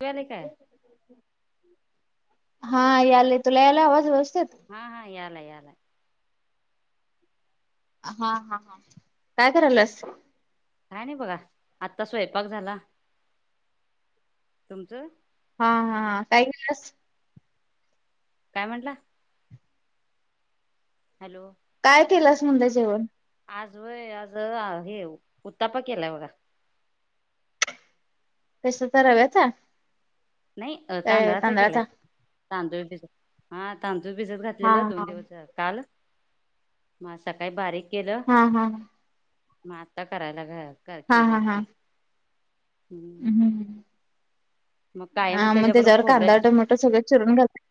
ऐकू आले काय. हा याले तुला यायला आवाज व्यवस्थेत. हा हा यालाय यालाय. हा हा हा काय करालस. काय नाही बघा आत्ता स्वयंपाक झाला तुमचं. हा हा काही. काय म्हटला. हॅलो. काय केलंस म्हणतोय जेवण. आज व आज हे उत्ताप केलाय बघा पैसा तररावता नाही अ तांदळाच केलाय तांदूळच हां तांदूळ भिसत हा घातलेलं दोन हा दिवस काल म सकाळी बारीक केलं हा हा मग आता करायला घ हा हा केले हा ते हम्म मग कायम हा मग त्याच्याबरोबर त्याच्यावर कांदा खोबऱ्याची टमोट सगळं चिरून घात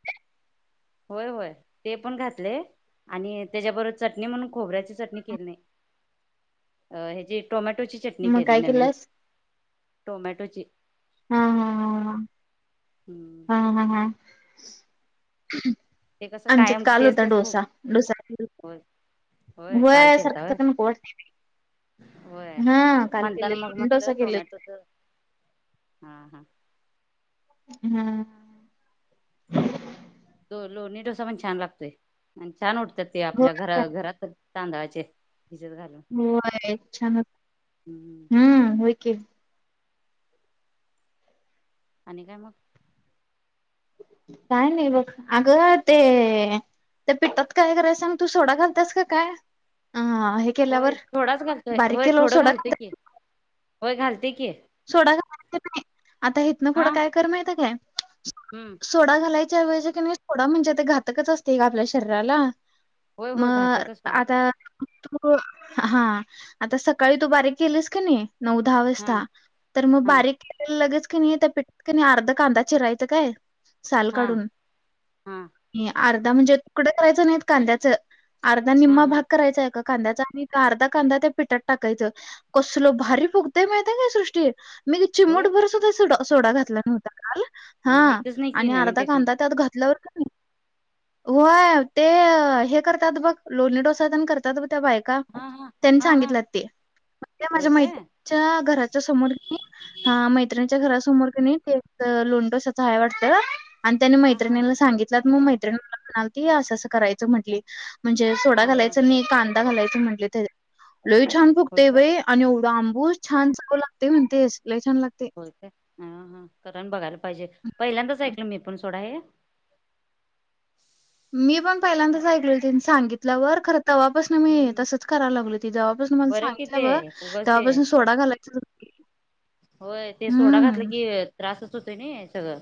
होय होय ते पण घातले आणि त्याच्याबरोबर चटणी म्हणून खोबऱ्याची चटणी केली नाही अ हची टोमॅटोची चटणी मग केजे काय नवीन केलंस टोमॅटोची हा हा हा हा हा ते कसं आमच्यात कायम काल तेच होता तेच खूप डोसा डोसा होय होय व काल केलता सरक होय सक कोर्ट होय हा काल म्हणताना केले मग थंड अस म्हटलं केलं टोमॅटोच हा हा हम्म. लोणी डोसा पण छान लागतोय आणि छान उठतात ते हो आपल्या घरा घरात तांदळाचे. भिजत घालून. होय छान होत हम्म होय की. आणि काय मग. काय नाही बघ अगं ते. ते पिठात काय रस आणि तू सोडा घालतास का काय केल्यावर होय थोडाच घालतोय बारीक होय केल्यावर थोडं सोडा घालतय घालत की होय घालते की सोडा घयच नाही आता इथन हा पुढं काय कर माहतं काय हम्म सोडा घालायच्या वेज क नाही सोडा म्हणजे ते घातकच असते आपल्या शरीराला होय होय मग घातकच सोडा आता तू हा आता सकाळी तू बारीक केलीस की नाही नऊ दहा हा वाजतास तर मग हा बारीकि लगेच क नाही त्या पिठात क अर्धा कांदा चिरायचं काय साल हा काढून हा अर्धा म्हणजे तुकड करायचं नाहीत कांद्याचं अर्धा हा निम्मा हा भाग करायचाय का कांद्याचा आणि अर्धा कांदा त्या पिठात टाकायचं कसल भारी फुगतय माहितय काय सृष्टी मी होय चिमूटभर सुद्धा सोडा घातला नव्हता ल हा माहितच नाही की आणि नवीन अर्धा टेक्निक कांदा त्यात घातल्यावर का होय ते हे करतात बघ लोणी डोसाण करतात ब त्या बायक हा हा नी हा हा सांगित मा्या होय मै काय समोर हा मैत्रिणीच्या घरासमोर क ते लोंडोशच आहे वाटत आणि त्यानी हा हा मैत्रिणीला सांगितलं मग मैत्रिणी मला म्हणालती असं असं करायचं म्हटली म्हणजे सोडा हा हा घालायचं नाही कांदा घालायचं म्हटले ते लोई छान होय फुकते काय बाई आणि एवढा आंबू छान सगू लागते म्हणते असलाही छान लागते हा हा कारराण बघायला पाहिजे पहिल्यांदाच ऐकलं मी पण सोडा हे मी पण पहिल्यांदाच ऐकल हो त्यांनी सांगितल्यावर खर तवापस ना मी हम्म तसच कराय लागल त तेव्हापासून मला बरं कि सांगितलं ते ब उगच ते तेव्हापासून सोडा घालायचा होय ते सोडा घातलं की त्रासच होतोय नाही सगळं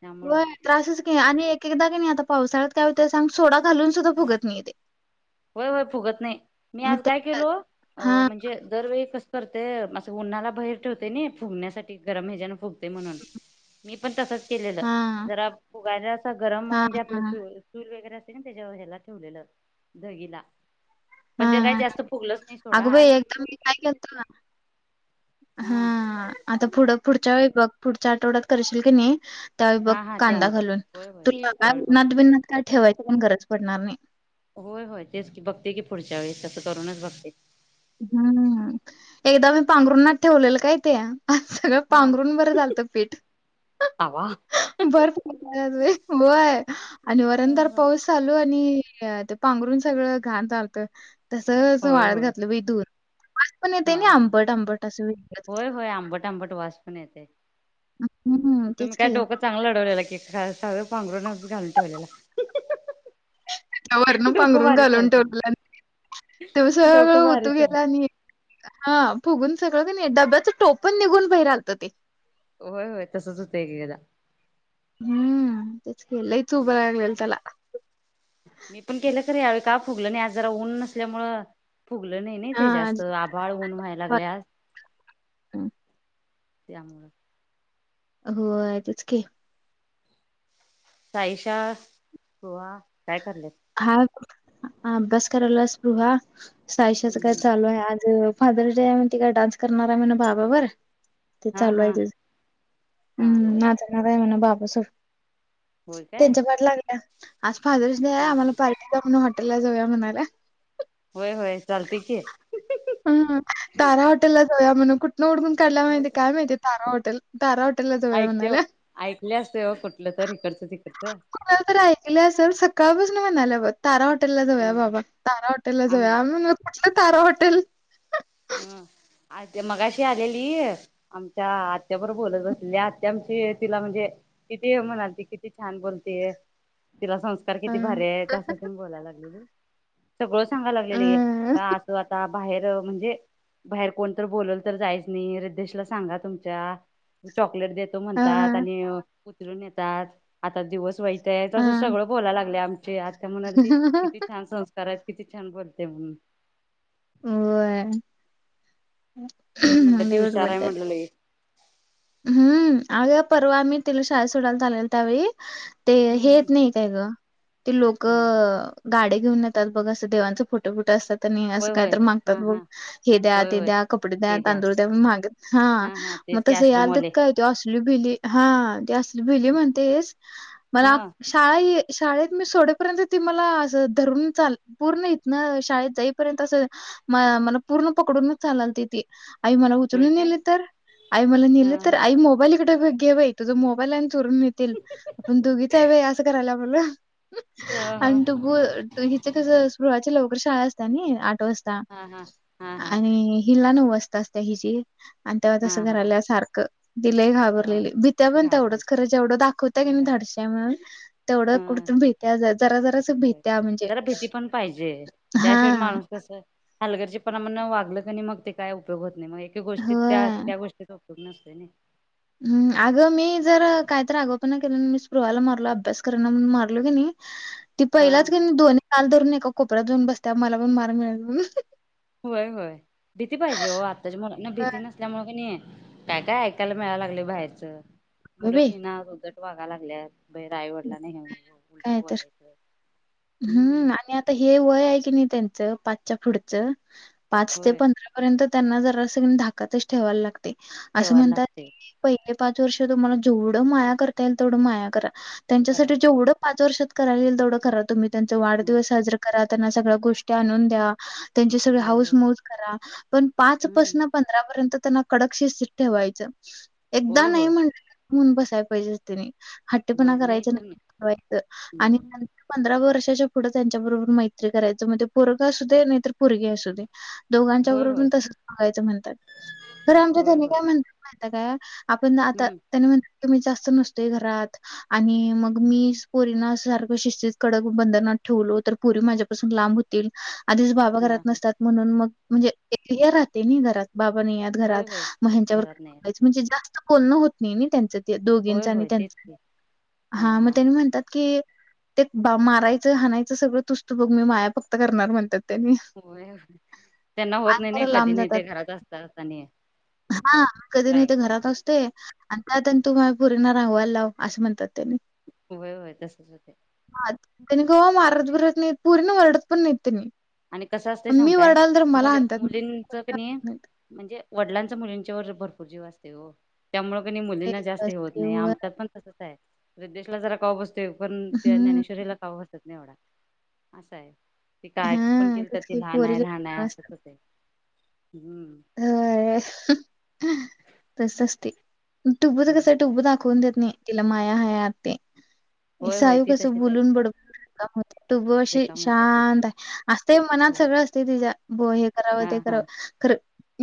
त्यामुळं हो त्रासच क आणि एक एकदा क नाही आता पावसाळ्यात त्या सांग सोडा घालून हा सुद्धागत म तेे होय होय फुगत नाही मी आज काय केलो अ हां, म्हणजे दर वळी कसं करतेय असं उन्हाला बाहेर ठेवते नाही फुगण्यासाठी गरम हे्याजना फुगते म्हणून मी पण तसच केलेलं हां, जरा फुगायला गरम हां, म्हणजे आपलं हां, टूर वगैरे असते ना त्याच्या ह्याला ठेवलेलं दघला हा हा सोडा अगोबाई आज एकदम मी काय केलत हा आता पुढं पुढच्या वेळी बघ पुढच्या आठवड्यात करशील की नाही त्यावेळी बघ हा हा कांदा तेव्हा घालून होय होय त्यावेळी बघते तुलानात बिनात काय ठेवायची पण गरज पडणार नाही होय होय तेच की बघते की पुढच्या वेळेस तसं करूनच बघते हम्म एकदा मी पांघरूनाथ ठेवलेलं काय ते आ सगळं हा पांघरून बरं चालतं पीठ आवा ह बरफला वय आणि वरंदर हा पाऊस चालू आणि ते पांघरून सगळं घाण चालत तस होय वाळत होय घात दूर हा हा होय होय आंबट आंबट वास पण येते हं, तुम्ही तेच काय की. डोकं चांगलं लढवलेलं की सव पांघरूनच घालून ठेवलेला ह त्याच्या वरण डोकं पांघरून भारी घालून चालतय ठेवलं तेव्हा सगळं डोकं भारी ओतू चाल गेला आणि हा फुगून सगळं क डब्याचं टोपण निघून बाही रालतं ते होय होय तसंच होतंय क एकदा हम्म तेच केलय त उ बर लागलेल तला मी पण केलं खरी यावेळी का फुगलं नाही आज जरा ऊन नसल्यामुळं फगलं नाही नाही ते हां, जास्त आभाळ ऊन व्हायला लागल्यास हा त्यामुलं हो आहे तेच के साईशा खुहा काय करलेत हा अभ्यास करायलाच प्रुहा हम्म साईश्याचं काय हम्म चालू आहे आज फादरस डे आहे म्ह म त का डान्स करणार आहे म्हण ना भाबाबर ते हा चालू हा आहे ते हा हा हम्म म्ह बापस होय काय त्यांच्या पाट लागल्या आज फ ह हा हा आम्हाला पार्टी म्हणून हॉटेलला जाऊया म्हणाला होय होय चालते की. हम तारा हॉटेलला जाऊया म्हणून कुठनं हुडकून काढयला माहितीय काय माहितीय तारा हॉटेल? तारा हॉटेल ऐकते ऐकले असतेव कुठलं तर इकडचं तिकडचं तुला तरर ऐकलं असेल सकाळ बसून म्हणाल्या बग तारा हॉटेल ला जाऊया ह बाबा तारा हॉटेलला आम जाऊया मग कुठलं तारा हॉटेल? हम आ ते मग अशी आलेली. आमच्या आत्या बरो बोलत अससली आत्यामची तिला म्हणजे किती म्हणाल किती छान बोलते तिला संस् अ किती भारी आहे बोलायला लागले सगळं सांगाय लागलेलेू आता. बाहेर म्हणजे बाहेर कोण बोलवलं तर जायच नाही रद्देशला सांगा तुमच्या चॉकलेट देतो म्हणतात अ आणि उचलून नेहतात आता दिवस वाईट तसं हां. सगळं बोलाय लागले आमचे आत त्या म्हणा त किती छान संथ कराय किती छान बोलते म होय तेच म्हटलं ती लई हुशार आहे उडबडत्या ती. म्हटलं हम्म अग परवा आम्ही तिला शाळेत सोडायला चालेल त्यावेळी ते हम्म हे हम्म येत नाही काय ग ते लोक हम्म गाडी घेऊन येतात बघ असं देवांचं फोटो फुटं असतात आणि असं होय काही होय तर मागतात हा ब हा हे द्या होय ते होय द्या कपडे द्या तांदूळ द्या म मागे हा हा मग तेच की तस आश्रमवाले काय त असली भिली हा ती असली भिली म्हणतेस म हा शाळा, शाळेत मी सोडपर्यंत ती मला धरून चाल पूर्ण इथ ना शाळेत जाईपर्यंत अस मला पूर्ण पकडूनच चाललती ती. आई मला होय उचलून काय नेले तर आई मला हा ने तर हा आई मोबाईलकडे घे मोबाईल चरून येतील आपण दुघीच आहे व असं करायला बोल हा हा आणि तु हिचे कसं ळाच्या लवकर शाळा असतात आठ वाजता हा हा हा आणि हिला न असत, असत हिची आणि तेव्हा तस हा हा घराला अस- सारखं दिले हा घाबरलेली भीित्या पण घाबर तेवढंच खरं जेवढं दाखवत की मी हा धडश्या म्हणून तेवढं कुठून भेट जरा जरा हो जरा भीती पण पाहिजे त्याशिवाय हां. माणूस तसं हलगरचेपणा म्ह वागलं क मग ते काय उपयोग होत नाही मग एका गोष्टीत त्या होय. त्या गोष्टीचा दुग नसतय हम्म अगं मी जर कायत अगो मी स्पृहाला मारलो अभ्यास करा मारलो क नाही ती हा पहिलाच क्व् काल रून एका कोपऱ्यातऊन बसते मला पण मारग मिळेल होय होय भीती पाहिजे हो आत्ताच्या मुलांना भीती नसते. मुळे काय काय ऐकायला मिळायला लागलं बाहेरच अगं मुलं बाई! भिना हो बघा लागल्या बई रायवडला नाहीे उलट काय तर. बोलायचं हम्म हं. आणि आता हे वय आहे की नाही त्यांच पाचच्या पुढचं पाच ते होय पंधरा त्यांना जरा स धाकातच ठेवायला लागते असं ठेवायला म्हणतात. लागते पहिले पाच वर्ष तुम्हाला जेवढं माया करता येईल तेवढं माया करा करा त्यांच्यासाठी जेवढं पाच वर्षात कराला येईल तेवढं करा तुम्ही त्यांचा हो वाढदिवस साजरा करा त्यांना सगळ्या गोष्टी आणून द्या. त्यांचे सगळे हो हाऊस हो मोज करा पण पाच हम्म पसन पण पंधरापर्यंत त्यांना कडकशी ठेवायचं एकदा होय नाही होय म्हण रुसून बसायला पाहिजे त्यानी हट्टेपणा होय नाही करायच तर नाही ठेवायचं आणि हम्म पंधरा वर्षाच्या पुढं त्यांच्या बरोबर मैत्री करायचं म्हणजे पोरग असू दे नाहीतर पोरगी असू दे. दोघांच्या होय बरोबरून होय तसंच बघायचं म्हणतात तरर आमच्या होय त्याने होय काय म्हणतात माहत काय आपण आता हम्म त्यानी म्हण मी जास्त नसतोय घरात आणि मग मी पोरीना सारख शिस्तीत कडक बंधनात ठेवलो तर पुरी माझ्यापासून लांब हो आधीच बाबा हा घरात हा नसतात म्हणून मग म्हणजे राहते घरात बाबा नाहीत होय घरात होय मग ह्यांच्यावर घरात नाही येत. बोयच म्हणजे जास्त बोलणं होत नाही त्यांच दोघ होय होय त्यां तेच की हा मग म्हणतात की ते मारायचं हायचं सगळं तुस्त बघ मी माया फक्त करणार म्हणतात त्यांनी. होय त्यांना होत आणि नाही नाही जरा कधी लांब नाही ते घरात असत आणि हा कधी नाही ते घरात रागवायचं असते आणि त्यात आणि तू मा पुरना रांगवायला लाव असे म्हणतात त्यांनी होय होय तसच होते त्यां गोवा मारत भरत नाही पूरी वर्डत परणेत आणि कसं असते सांग काय मुले मुलींच क नाही म्हणजे वडिलांचा मुलींच्यावर भरपूर जीव असते हो त्यामुळे क मुलींना जास्त हे होत नाही आमतात पण तसच आहे देशला जरा का बसत ते पण त्या ज्ञाने हं, शरीरला कावं असतत नाही एवढा असा आहे की काय पण हां, केलं तर तेच ते की लहान आहे पोरीला लहान आहे असच होत आहे हम्म हो तसस्ते टुबच हम्म कसं टुप दाखवून देत नाही तिला माया हया ते होय होय सायू ती कसं तशीच आहे बलून बडबम होते टुब अशी रिकाम होत्या की शांत आहे असते मनात होय सगळं असते तिच्या भ हे करावं हा ते हा करावं ख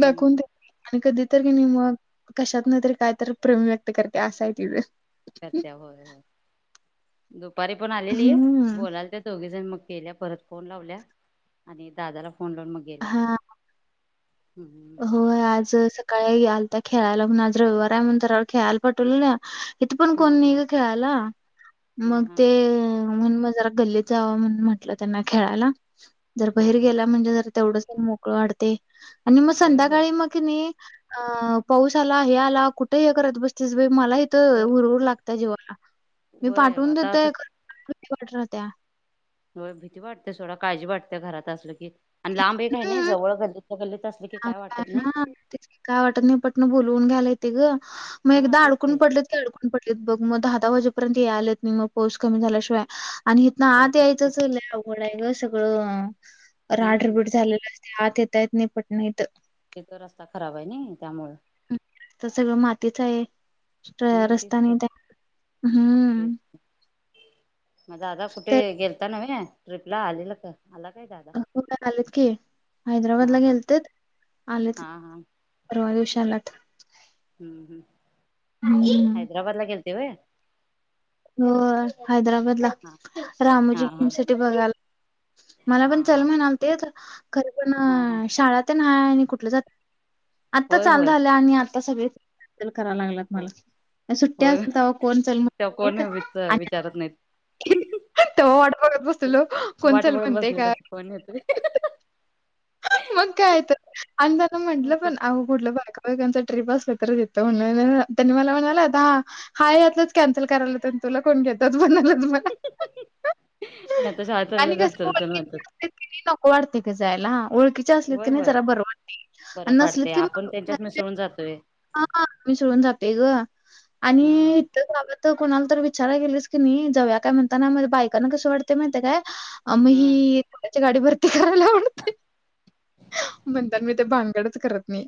दाखवून हम्म नाही आणि कधी तररी की नाही मग कशात नाही तरी काय तर प्रेम व्यक्त करते असाय तिथे करत होय होय दुपारी पण आलेली आहे हम्म. बोलाल ते दोघी जण मग केल्या परत फोन लावल्या आणि दादाला फोन लावून मग गेल्या हा हम्म हो आज सकाळी आल तर खेळायला म्हणून आज रविवार आहे म्हण तर खेळायला पटवलं ना इथं पण हा कोणी नाही हा ग खेळाला हा मग हा ते म्ह मग ज गल्लीत जाव म्हण म्हट त्यांना खेळायला जर हा बहीर हा गेला म्हणजे ज तेवढं मोकळं वाढते आणि मग होय होय संध्याकाळी मग की नाही पाऊस आला हे आला कुठे हे करत बसतेस बा मला इथ होय हरर लाग त्या जव मी होय पाठवून आता कस देतयठत्या हो भीती वाटते सोडा काळजी वाते घरात असलं की आणि लांब एक आहे नाही जवळ गल्लीत गल्लीत अस ह काय वाटत नाही पटन बोलवून घ्यालाय ते ग मग हा एकदा तेच अडकून की पडले अडकून पडलेत बघ मग दहा दहा वाजेपर्यंत या आलेत नाही मग पोस कमी झाल्याशिवाय आणि हथ ना होय आत तसच यायचंच होतंय ल अवघड आहे ग सगळं हम्म राड्रबीड झालेला असते आत येतयत नाही पटनात हे तो रस्ता खराब आहे ना त्यामुळे ह् तर सगळं मातीच आहे हम्म तेच की रस्ताने त्या हम्म तेच मग दादा कुठे तरी गेलता नव्हे ट्र्रीपला आलेला का आला काय दादा आलेत की हा हैदराबादला हा गेलत आलेत हा हा परवा दिशालात हम्म हम्म हम् हैदराबाद ला गेलतीवय हो हैदराबाद ला हा रामजी हा हा फम स बघायला मला हा पण हा चलम आहेणार ते खरे पण हा हा शाळात ना आणि कुठ आता होय चाल होय झालं आणि आता सगळे करा लाग हो मला सुट्ट्या कोण चल ते म्हणतेत कोणी विच आणि विचारत नाहीत वा बघत बसत लो वाट कोणचल बघत म्हणते बसलेलं का असतं कोण येतोय मग काय तर अनंदान म्हंटलं पण अगं कुठलं बागा त्यांच ट्रिप असलं तरच येतं म्हण त्यांनी मला म्हणाले आता हा हा यातलंच कॅन्सल करायला होत तुला कोण घेतच बनला मला आणि आता शाळा आणि कस चालल्यावर चल चल म्हणतात नक वाढते क जायला ओळखीच्या असलेत होय की नाही होय जरा बर वाड बरं आणि नसलेत पाडतय की आपण मग त्यांच्यात मिसळून जातोय हा मी सोडून जाते ग आणि हा तर कोणाला तर विचाराला गेलीस की नाही जवया काय म्हणताना बायकांना कस वाटते माहितीय काय आम हा ही त्याच्या गाडी भरती करायला आवडते म्हणतात मी ते भानगडच करत नाही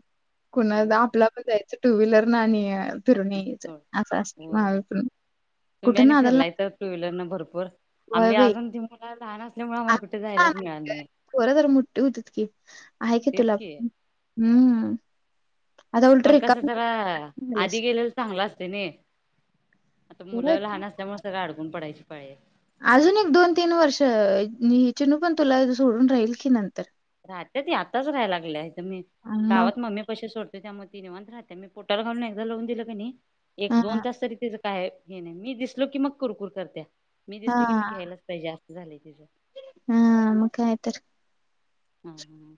कुणा होय बा आपल्या पण जायचं टू व्हीलर ना आणि फिरणी होय असं होय ना होय पण तुम्ही कुठं आणि नादाला फिरलाय लागतो. तर टू व्हीलरने भरपूर होय आम्ही बाई. अजून ती मला लहान असल्यामुळे आम्हाला कुठे जायलाच मिळा नाही खोरं तर मोठे होती कि आहे कि तेच तुला की प हम्म पण कसं तररा आधी झालीस. गेलेल चांगला असते ना आता होय. मुलं लहान असल्यामुळे सगळं अडकून पडायची पाज अजून एक दोन तीन वर्ष ह चिनू पण तुला सोडून राहील की नंतर राहते ती आताच राहायला लागले आहे तर मी आणि मग गावात मम्मी कसे सोडत त्यामुळे ति निवंत राहत मी पोटाला घालून एकदा लवून दिलं क नाही एक हां, दोन तास तरी काय हे नाही मी दिसलो की मग कुरकुर करत्या मी दिसल की मी घ्यायलाच पाहिजे जास्त झाले तिचं हा म कायतरी हम् ह